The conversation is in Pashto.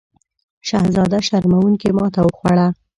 شهزاده شرموونکې ماته وخوړه.